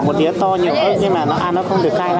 một bát năm nghìn năm nghìn